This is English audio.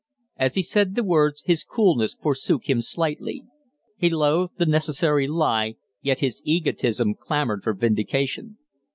As he said the words his coolness forsook him slightly. He loathed the necessary lie, yet his egotism clamored for vindication.